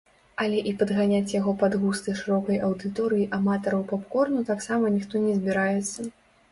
Але і падганяць яго пад густы шырокай аўдыторыі аматараў поп-корну таксама ніхто не збіраецца.